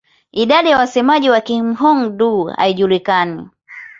Idadi ya wasemaji wa Kihmong-Dô haijulikani.